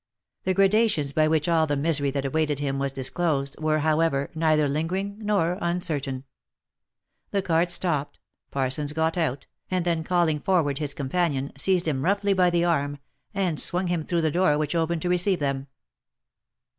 The gradations by which all the misery that awaited him was dis closed, were, however, neither lingering nor uncertain. The cart stopped, Parsons got out, and then calling forward his companion, seized him roughly by the arm, and swung him through the door which opened to receive them.